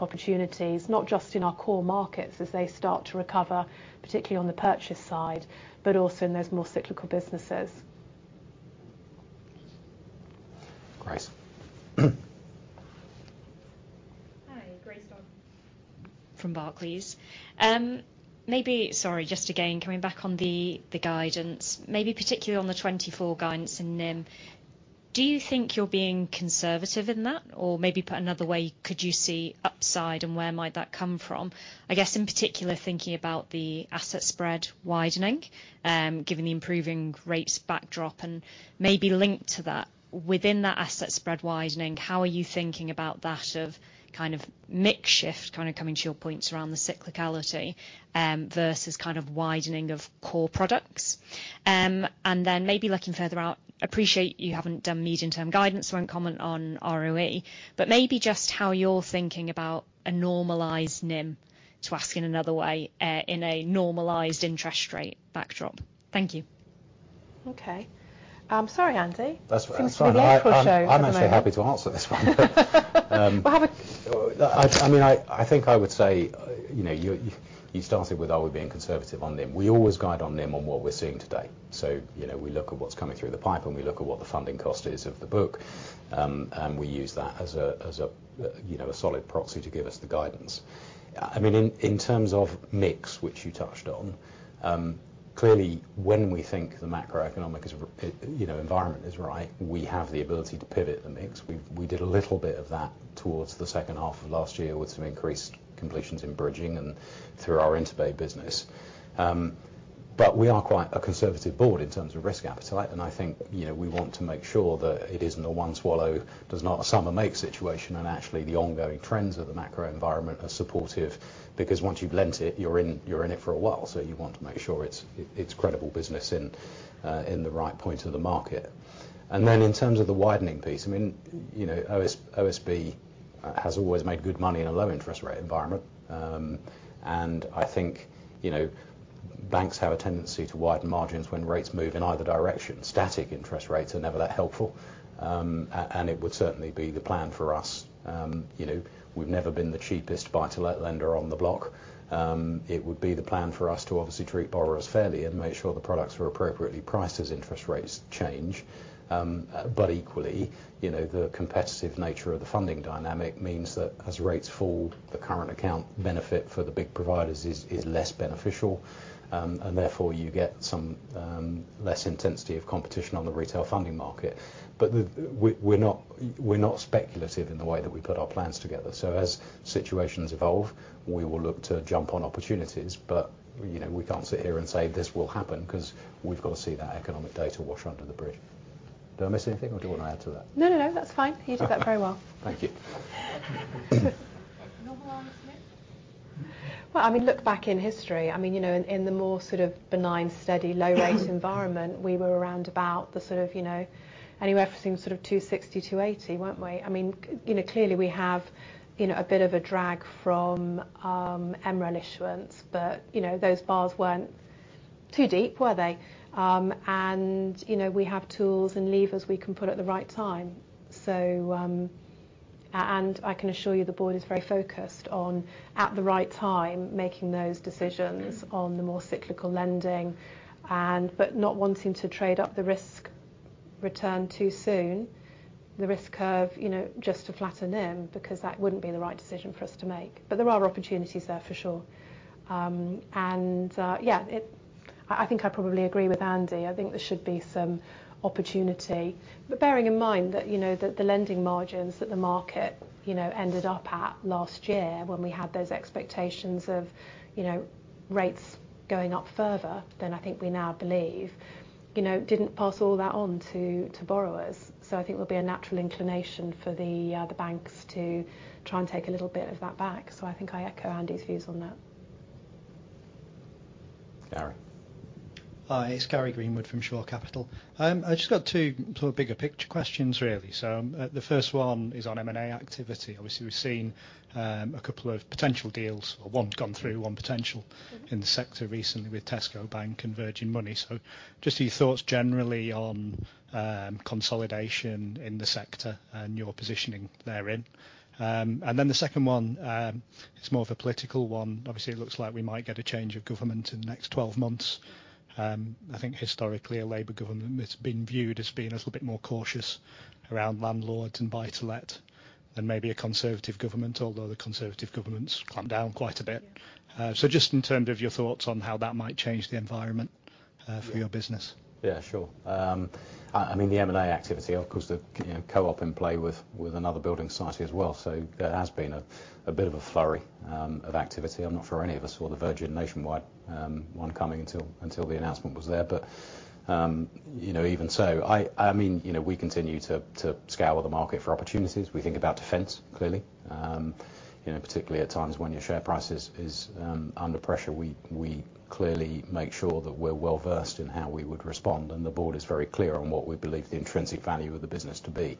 opportunities not just in our core markets, as they start to recover particularly on the purchase side but also in those more cyclical businesses. Grace. Hi, Grace Dargan from Barclays. Maybe sorry, just again coming back on the guidance, maybe particularly on the 2024 guidance in NIM. Do you think you're being conservative in that, or maybe put another way, could you see upside and where might that come from? I guess in particular, thinking about the asset spread widening given the improving rates backdrop, and maybe linked to that, within that asset spread widening, how are you thinking about that of kind of mix shift kind of coming to your points around the cyclicality versus kind of widening of core products? And then maybe looking further out, appreciate you haven't done medium-term guidance, so I won't comment on ROE, but maybe just how you're thinking about a normalized NIM. To ask in another way, in a normalized interest rate backdrop. Thank you. Okay, sorry, Andy. That's fine. It seems to be the April show. I'm actually happy to answer this one, but Well, I mean, I think I would say, you know, you started with, are we being conservative on NIM? We always guide on NIM on what we're seeing today, so you know, we look at what's coming through the pipe and we look at what the funding cost is of the book and we use that as a, you know, a solid proxy to give us the guidance. I mean, in terms of mix, which you touched on, clearly when we think the macroeconomic environment is right, you know, we have the ability to pivot the mix. We did a little bit of that towards the second half of last year with some increased completions in bridging and through our InterBay business. But we are quite a conservative board in terms of risk appetite. I think you know we want to make sure that it isn't a one swallow does not a summer make situation, and actually the ongoing trends of the macro environment are supportive. Because once you've lent it you're in it for a while so you want to make sure it's a credible business in the right point of the market. And then in terms of the widening piece, I mean you know OSB has always made good money in a low interest rate environment. I think you know banks have a tendency to widen margins when rates move in either direction. Static interest rates are never that helpful and it would certainly be the plan for us. You know we've never been the cheapest buy-to-let lender on the block. It would be the plan for us to obviously treat borrowers fairly and make sure the products are appropriately priced as interest rates change. But equally, you know, the competitive nature of the funding dynamic means that as rates fall the current account benefit for the big providers is less beneficial. Therefore you get some less intensity of competition on the retail funding market. But we're not speculative in the way that we put our plans together. So as situations evolve we will look to jump on opportunities but you know we can't sit here and say this will happen 'cause we've got to see that economic data wash under the bridge. Did I miss anything or do I want to add to that? No, no, no, that's fine. You did that very well. Thank you. Normalized NIM? Well, I mean, look back in history. I mean, you know, in the more sort of benign steady low rate environment we were around about the sort of you know anywhere from sort of 260-280, weren't we? I mean you know clearly we have you know a bit of a drag from MREL issuance but you know those bars weren't too deep, were they? And you know we have tools and levers we can put at the right time. I can assure you the board is very focused on at the right time making those decisions on the more cyclical lending. But not wanting to trade up the risk return too soon, the risk curve you know just to flatten NIM because that wouldn't be the right decision for us to make. But there are opportunities there for sure. And yeah, I think I probably agree with Andy. I think there should be some opportunity, but bearing in mind that, you know, the lending margins that the market, you know, ended up at last year when we had those expectations of, you know, rates going up further than I think we now believe. You know, didn't pass all that on to borrowers. So I think there'll be a natural inclination for the banks to try and take a little bit of that back. So I think I echo Andy's views on that. Gary. Hi, it's Gary Greenwood from Shore Capital. I've just got two sort of bigger picture questions really. So the first one is on M&A activity. Obviously we've seen a couple of potential deals or one gone through one potential in the sector recently with Tesco Bank and Virgin Money. So just your thoughts generally on consolidation in the sector and your positioning therein. And then the second one is more of a political one obviously it looks like we might get a change of government in the next 12 months. I think historically, a Labour government that's been viewed as being a little bit more cautious around landlords and buy-to-let than maybe a Conservative government, although the Conservative governments clamp down quite a bit. So just in terms of your thoughts on how that might change the environment for your business. Yeah, sure. I mean the M&A activity, of course, the, you know, co-op in play with another building society as well, so there has been a bit of a flurry of activity. I'm not sure any of us saw the Virgin Nationwide one coming until the announcement was there. But you know, even so, I mean, you know, we continue to scour the market for opportunities. We think about defense clearly, you know, particularly at times when your share price is under pressure. We clearly make sure that we're well versed in how we would respond. The board is very clear on what we believe the intrinsic value of the business to be,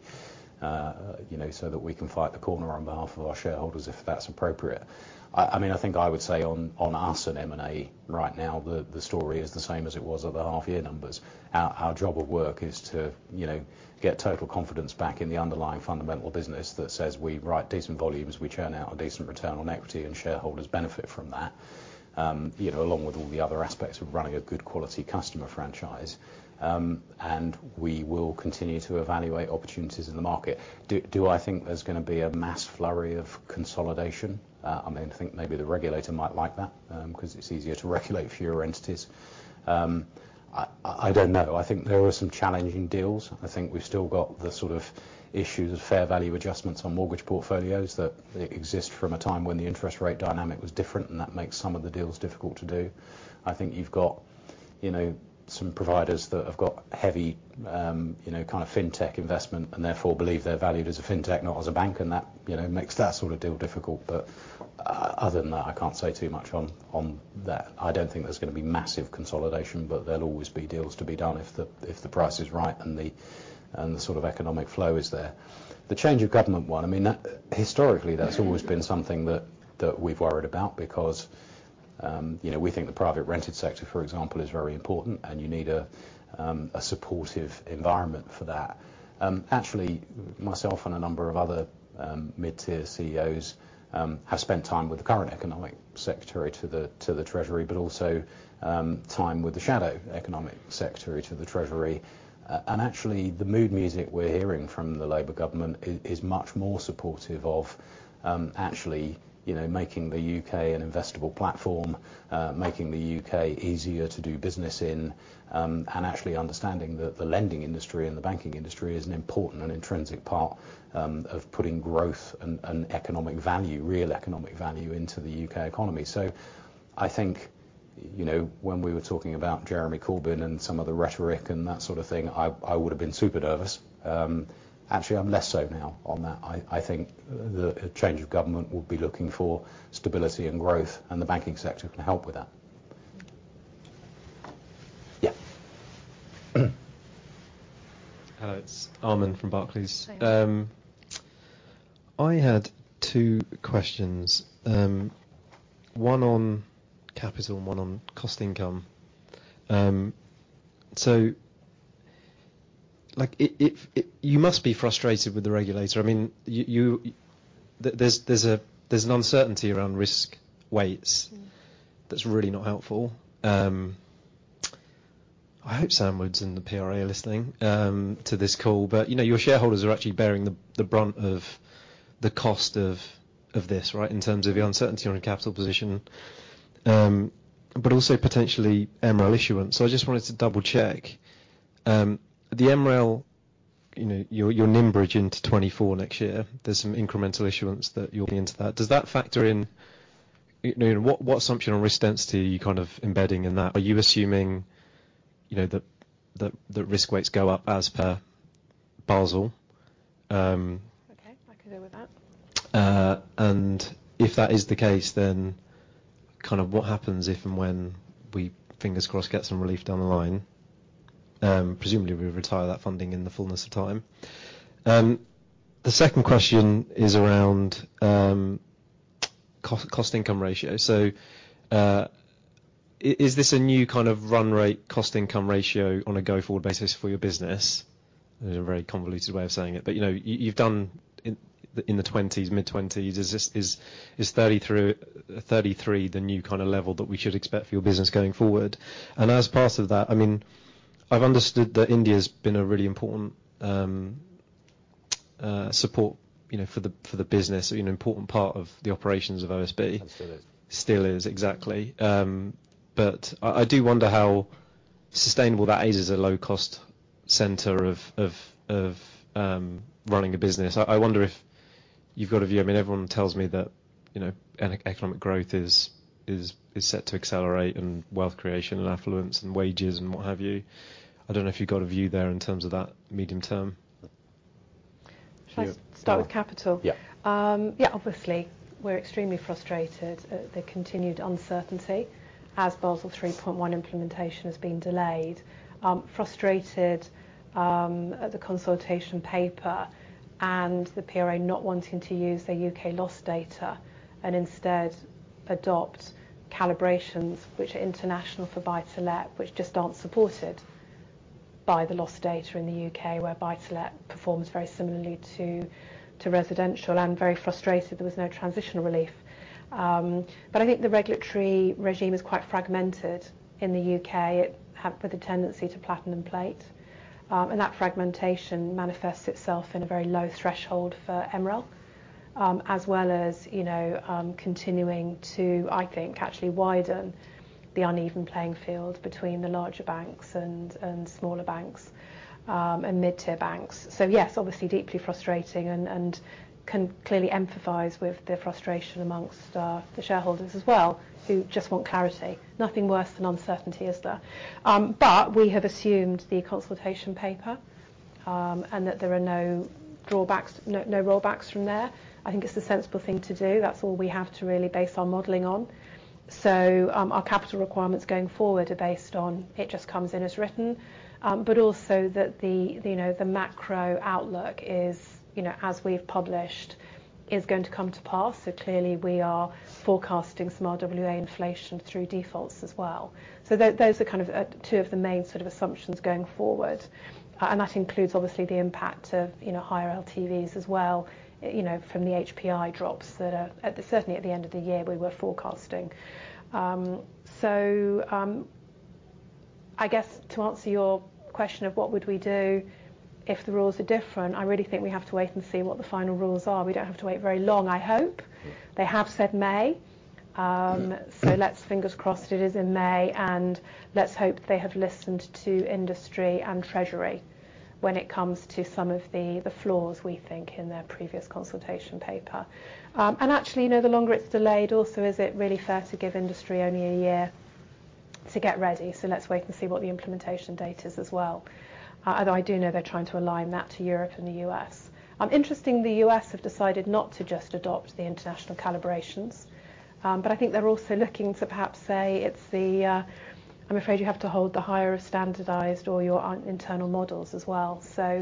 you know, so that we can fight the corner on behalf of our shareholders if that's appropriate. I mean I think I would say on us and M&A right now the story is the same as it was at the half year numbers. Our job of work is to you know get total confidence back in the underlying fundamental business that says we write decent volumes, we churn out a decent return on equity, and shareholders benefit from that. You know along with all the other aspects of running a good quality customer franchise. We will continue to evaluate opportunities in the market. Do I think there's going to be a mass flurry of consolidation? I mean I think maybe the regulator might like that 'cause it's easier to regulate fewer entities. I don't know I think there are some challenging deals. I think we've still got the sort of issues of fair value adjustments on mortgage portfolios that still exist from a time when the interest rate dynamic was different. That makes some of the deals difficult to do. I think you've got you know some providers that have got heavy you know kind of FinTech investment. And therefore believe they're valued as a FinTech not as a bank, and that you know makes that sort of deal difficult. But other than that I can't say too much on that. I don't think there's going to be massive consolidation but there'll always be deals to be done if the price is right and the sort of economic flow is there. The change of government one I mean that historically that's always been something that we've worried about because you know we think the private rented sector for example is very important and you need a supportive environment for that. Actually myself and a number of other mid-tier CEOs have spent time with the current economic secretary to the Treasury but also time with the shadow economic secretary to the Treasury. Actually the mood music we're hearing from the Labour government is much more supportive of actually you know making the U.K. an investable platform. Making the U.K. easier to do business in. And actually understanding that the lending industry and the banking industry is an important and intrinsic part of putting growth and economic value real economic value into the U.K. economy. I think you know when we were talking about Jeremy Corbyn and some of the rhetoric and that sort of thing I would have been super nervous. Actually I'm less so now on that. I think the change of government will be looking for stability and growth and the banking sector can help with that. Yeah. Hello, it's Aman from Barclays. I had two questions, one on capital and one on cost income. So like, if you must be frustrated with the regulator. I mean, you, there's an uncertainty around risk weights that's really not helpful. I hope Sam Woods and the PRA are listening to this call, but you know your shareholders are actually bearing the brunt of the cost of this right in terms of the uncertainty on a capital position but also potentially MREL issuance. So I just wanted to double check the MREL. You know you're NIM bridging to 2024 next year. There's some incremental issuance that you'll be into. That does that factor in you know what assumption on risk density are you kind of embedding in that? Are you assuming you know that risk weights go up as per Basel? Okay, I could go with that. If that is the case, then kind of what happens if and when we, fingers crossed, get some relief down the line? Presumably we retire that funding in the fullness of time. The second question is around cost-income ratio. So is this a new kind of run rate cost-income ratio on a go-forward basis for your business? There's a very convoluted way of saying it, but you know you've done in the 20s, mid-20s. Is this 30%-33% the new kind of level that we should expect for your business going forward? And as part of that, I mean I've understood that India's been a really important support, you know, for the business or you know important part of the operations of OSB. Still is. Still is exactly. But I do wonder how sustainable that is as a low cost center of running a business. I wonder if you've got a view. I mean everyone tells me that you know economic growth is set to accelerate and wealth creation and affluence and wages and what have you. I don't know if you've got a view there in terms of that medium term. Should I start with capital? Yeah. Yeah, obviously we're extremely frustrated at the continued uncertainty as Basel 3.1 implementation has been delayed, frustrated at the consultation paper and the PRA not wanting to use their U.K. loss data and instead adopt calibrations which are international for buy-to-let which just aren't supported by the loss data in the U.K. where buy-to-let performs very similarly to residential and very frustrated there was no transitional relief. But I think the regulatory regime is quite fragmented in the U.K., it has with a tendency to platinum plate and that fragmentation manifests itself in a very low threshold for MREL as well as you know continuing to I think actually widen the uneven playing field between the larger banks and smaller banks and mid-tier banks. So yes obviously deeply frustrating and can clearly empathize with the frustration amongst the shareholders as well who just want clarity. Nothing worse than uncertainty, is there? But we have assumed the consultation paper, and that there are no drawbacks, no no rollbacks from there. I think it's the sensible thing to do, that's all we have to really base our modeling on. So our capital requirements going forward are based on it just comes in as written. But also that, you know, the macro outlook is, you know, as we've published, is going to come to pass. So clearly we are forecasting small WA inflation through defaults as well. So those are kind of two of the main sort of assumptions going forward. That includes obviously the impact of, you know, higher LTVs as well, you know, from the HPI drops that are at the, certainly at the end of the year we were forecasting. So, I guess to answer your question of what would we do if the rules are different. I really think we have to wait and see what the final rules are. We don't have to wait very long, I hope. They have said May, so let's fingers crossed it is in May, and let's hope they have listened to industry and Treasury, when it comes to some of the flaws we think in their previous consultation paper. Actually, you know, the longer it's delayed, also is it really fair to give industry only a year to get ready? So let's wait and see what the implementation date is as well, although I do know they're trying to align that to Europe and the U.S. Interesting, the U.S. have decided not to just adopt the international calibrations. I think they're also looking to perhaps say it's the, I'm afraid you have to hold the higher standardized or your internal models as well so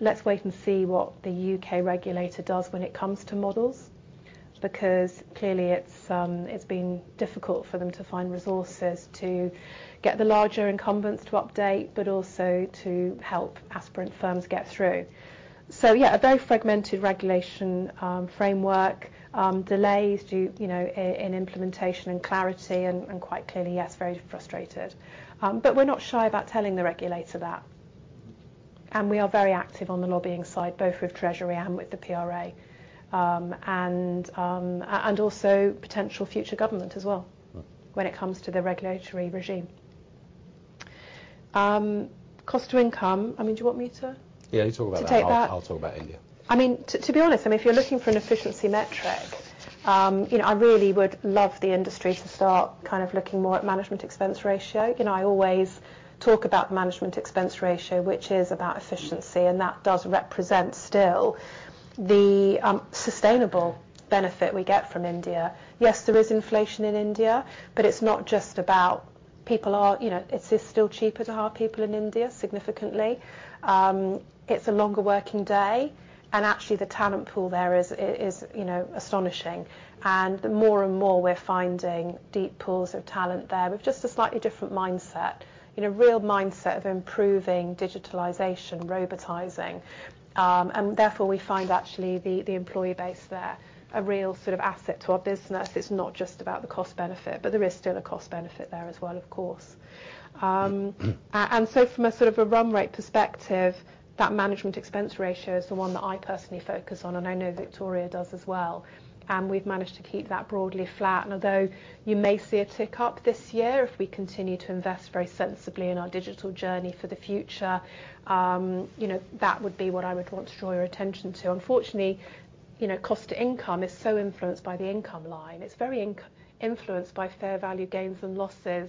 let's wait and see what the U.K. regulator does when it comes to models. Because clearly it's been difficult for them to find resources to get the larger incumbents to update but also to help aspirant firms get through. So yeah a very fragmented regulation framework delays, you know, in implementation and clarity and and quite clearly yes very frustrated. But we're not shy about telling the regulator that and we are very active on the lobbying side both with Treasury and with the PRA. Also potential future government as well when it comes to the regulatory regime. Cost to income. I mean, do you want me to? Yeah, you talk about that. I'll talk about India. To take that, I mean, to be honest, I mean, if you're looking for an efficiency metric, you know, I really would love the industry to start kind of looking more at management expense ratio, you know. I always talk about the management expense ratio, which is about efficiency, and that does represent still the sustainable benefit we get from India. Yes, there is inflation in India, but it's not just about people, you know. It's still cheaper to hire people in India significantly. It's a longer working day and actually the talent pool there is, is you know astonishing. The more and more we're finding deep pools of talent there with just a slightly different mindset. You know real mindset of improving digitalization robotizing and therefore we find actually the employee base there a real sort of asset to our business. It's not just about the cost benefit but there is still a cost benefit there as well of course. And so from a sort of a run rate perspective that management expense ratio is the one that I personally focus on and I know Victoria does as well. We’ve managed to keep that broadly flat and although you may see a tick up this year, if we continue to invest very sensibly in our digital journey for the future you know that would be what I would want to draw your attention to. Unfortunately you know cost to income is so influenced by the income line. It’s very income influenced by fair value gains and losses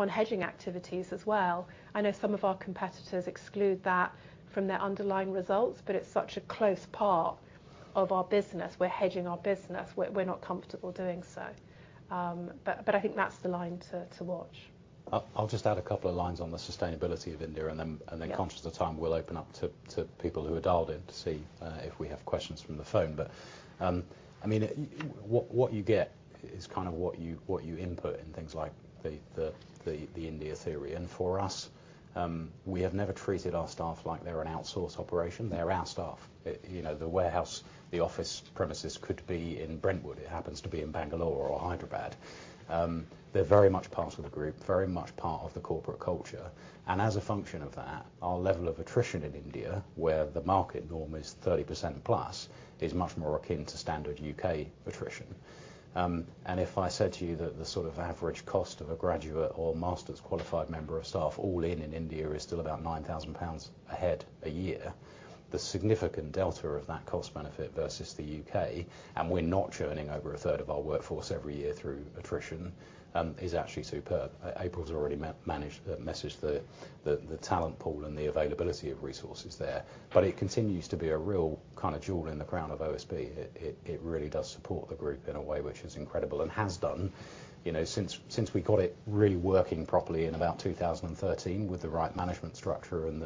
on hedging activities as well. I know some of our competitors exclude that from their underlying results but it's such a close part of our business. We’re hedging our business we're not comfortable doing so but I think that's the line to watch. I'll just add a couple of lines on the sustainability of India and then, conscious of time, we'll open up to people who are dialed in to see if we have questions from the phone. But I mean, what you get is kind of what you input in things like the in theory, and for us we have never treated our staff like they're an outsourced operation, they're our staff. You know, whereas the office premises could be in Brentwood, it happens to be in Bangalore or Hyderabad, they're very much part of the group, very much part of the corporate culture. And as a function of that, our level of attrition in India, where the market norm is 30%+, is much more akin to standard U.K. attrition. If I said to you that the sort of average cost of a graduate or master's qualified member of staff all in in India is still about 9,000 pounds per head a year. The significant delta of that cost benefit versus the U.K. and we're not churning over a 1/3 of our workforce every year through attrition is actually superb. April's already mentioned the talent pool and the availability of resources there. But it continues to be a real kind of jewel in the crown of OSB. It really does support the group in a way which is incredible and has done. You know, since we got it really working properly in about 2013 with the right management structure and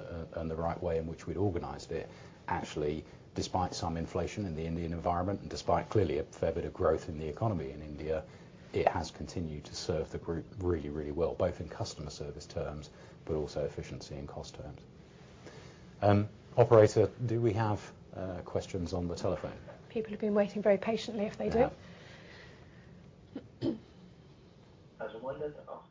the right way in which we'd organized it. Actually, despite some inflation in the Indian environment and despite clearly a fair bit of growth in the economy in India. It has continued to serve the group really really well both in customer service terms but also efficiency and cost terms. Operator, do we have questions on the telephone? People have been waiting very patiently if they do. Yeah. I was wondering to ask a question. That's star one, and it doesn't make any sense. [inaudible] Sensitivity, we get to see as your front book grows, and then secondly, I noticed that there's a decline in your coverage levels. Is this what's driving? What's driving that? Thank you.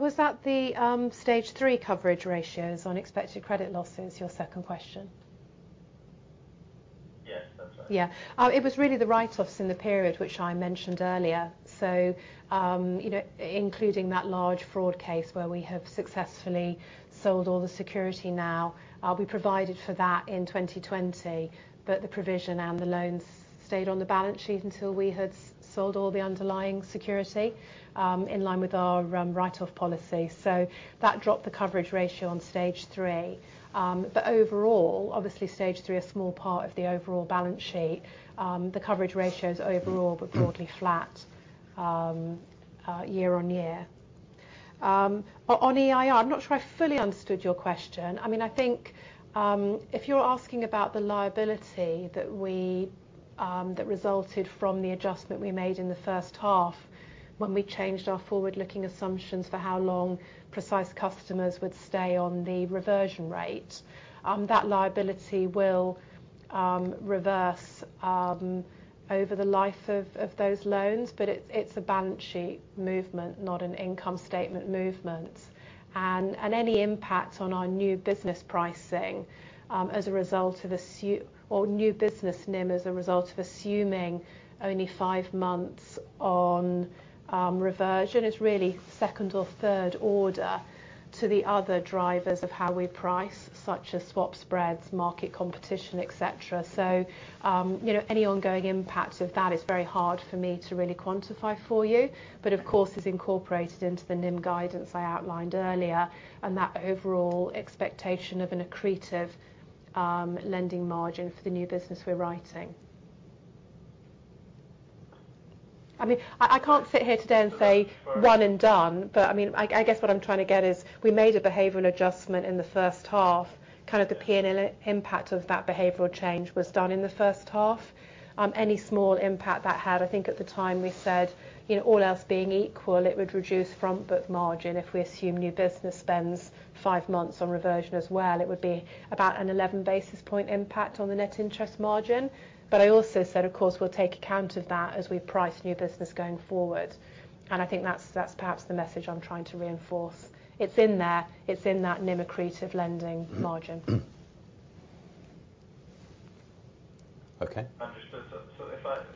Was that the stage three coverage ratios on expected credit losses? Your second question? Yes that's right. Yeah, it was really the write-offs in the period which I mentioned earlier, so you know, including that large fraud case where we have successfully sold all the security. Now we provided for that in 2020, but the provision and the loans stayed on the balance sheet until we had sold all the underlying security in line with our write-off policy. So that dropped the coverage ratio on Stage 3, but overall obviously Stage 3 a small part of the overall balance sheet. The coverage ratios overall were broadly flat year-on-year. On EIR, I'm not sure I fully understood your question. I mean, I think if you're asking about the liability that resulted from the adjustment we made in the first half. When we changed our forward-looking assumptions for how long Precise customers would stay on the reversion rate, that liability will reverse over the life of those loans. It’s balance sheet movement, not an income statement movement. And any impact on our new business pricing as a result of assuming or new business NIM, as a result of assuming only five months on reversion, is really second or third order to the other drivers of how we price, such as swap spreads, market competition, et cetera. So you know, any ongoing impact of that is very hard for me to really quantify for you, but of course is incorporated into the NIM guidance I outlined earlier. That overall expectation of an accretive lending margin for the new business we're writing. I mean, I can't sit here today and say one and done. I mean, I guess what I'm trying to get is we made a behavioral adjustment in the first half. Kind of the P&L impact of that behavioral change was done in the first half. Any small impact that had, I think at the time we said, you know, all else being equal, it would reduce front book margin if we assume new business spends five months on reversion as well. It would be about an 11 basis point impact on the net interest margin. I also said, of course, we'll take account of that as we price new business going forward, and I think that's perhaps the message I'm trying to reinforce. It's in there; it's in that NIM accretive lending margin. Mm-hmm. Okay. Understood, so if we just think forward to next year, obviously you've taken that one point of impact this year, but let's fast forward to next year. Should I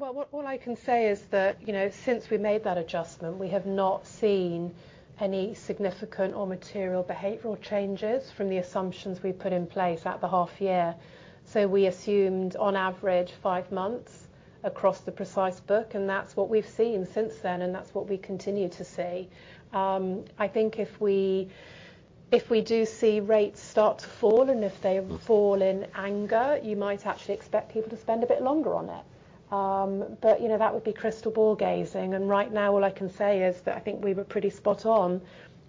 be still seeing a sort of material adjustment next year or every year going forward till that book grows off, or is it just a one-time thing indeed for this year? Well, what all I can say is that, you know, since we made that adjustment, we have not seen any significant or material behavioral changes from the assumptions we put in place at the half year. So we assumed on average five months across the precise book, and that's what we've seen since then, and that's what we continue to see. I think if we do see rates start to fall and if they fall in anger, you might actually expect people to spend a bit longer on it, but you know that would be crystal ball gazing. And right now all I can say is that I think we were pretty spot on,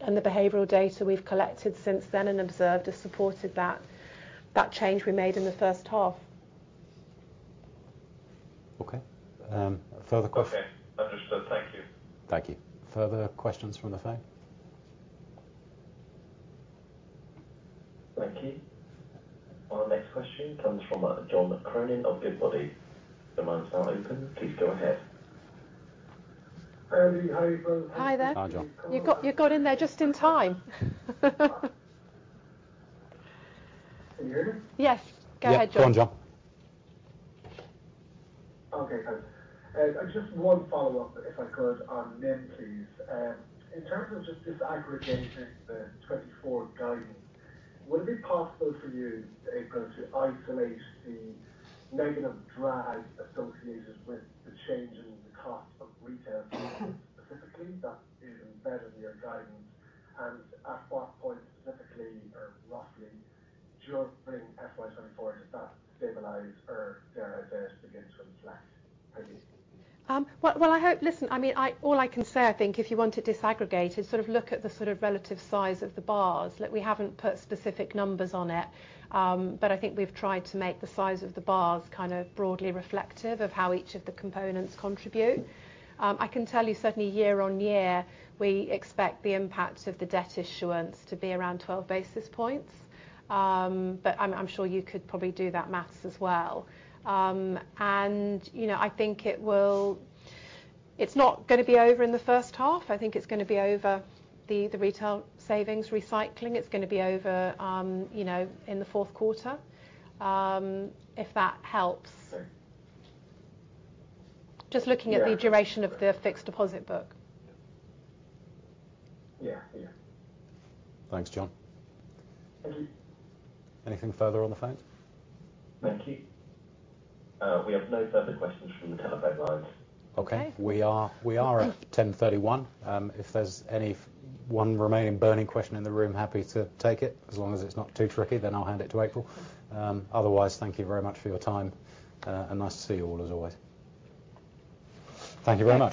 and the behavioral data we've collected since then and observed has supported that change we made in the first half. Okay further questions? Okay, understood. Thank you. Thank you. Further questions from the phone? Thank you. Our next question comes from John Cronin of Goodbody. The lines are open, please go ahead. Hi, Andy. Hi, brother. Hi there. Hi John. You've got in there just in time. Can you hear me? Yes, go ahead, John. Yeah go on John. Okay, thanks. Just one follow-up, if I could, on NIM, please. In terms of just disaggregating the 24 guidance, would it be possible for you, April, to isolate the negative drag associated with the change in the cost of retail fees specifically? That is embedded in your guidance. And at what point, specifically or roughly, during FY 2024 does that stabilize or, dare I say it, begin to inflect for you? Well, well, I hope—listen, I mean, all I can say is, I think if you want it disaggregated, sort of look at the sort of relative size of the bars. Look, we haven't put specific numbers on it, but I think we've tried to make the size of the bars kind of broadly reflective of how each of the components contribute. I can tell you certainly, year-on-year, we expect the impact of the debt issuance to be around 12 basis points, but I'm sure you could probably do that maths as well. And you know, I think it will—it's not gonna be over in the first half. I think it's gonna be over the retail savings recycling. It's gonna be over, you know, in the fourth quarter if that helps. Sorry. Just looking at the duration of the fixed deposit book. Yeah yeah. Thanks John. Thank you. Anything further on the phone? Thank you. We have no further questions from the telephone lines. Okay, we are at 10:31. If there's any final remaining burning question in the room, happy to take it as long as it's not too tricky. Then I'll hand it to April. Otherwise, thank you very much for your time and nice to see you all as always. Thank you very much.